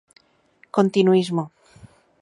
Continuísmo.